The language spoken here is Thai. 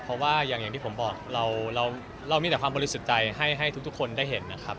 เพราะว่าอย่างที่ผมบอกเรามีแต่ความบริสุทธิ์ใจให้ทุกคนได้เห็นนะครับ